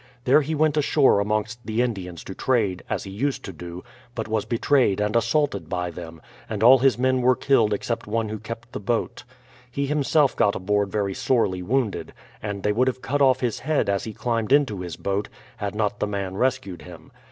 There he went ashore amongst the Indians to trade, as he used to do, but was betrayed and assaulted by them, and all his men \vere killed except one who kept the boat. He himself got aboard very sorely wounded, and they would have cut off his head as he climbed into his boat, had not the man rescued him.